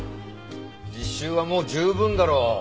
実習はもう十分だろう。